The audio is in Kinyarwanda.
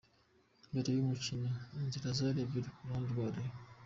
Mbere y’umukino, inzira zari ebyiri ku ruhande rwa Rayon.